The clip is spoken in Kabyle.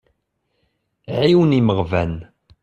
Ɛiwen imeɣban.